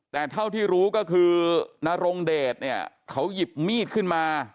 แต่เท่าที่รู้ก็คือนรงเดชเนี่ยเขาหยิบมีดขึ้นมา